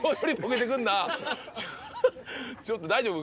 ちょっと大丈夫？